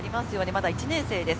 まだ１年生です。